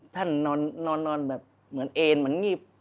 นอนแบบเหมือนเอ็นเหมือนงีบ